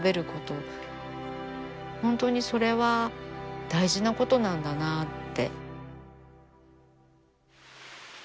本当にそれは大事なことなんだなって。